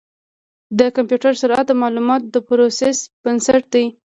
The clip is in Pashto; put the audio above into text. د کمپیوټر سرعت د معلوماتو د پروسس بنسټ دی.